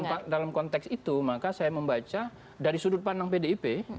jadi dalam konteks itu maka saya membaca dari sudut pandang pdip